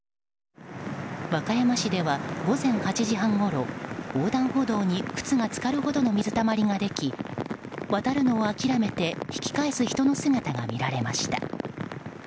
和歌山市では、午前８時半ごろ横断歩道に靴が浸かるほどの水たまりができ渡るのを諦めて引き返す人の姿が見られました。